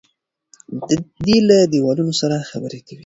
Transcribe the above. دی له دیوالونو سره خبرې کوي.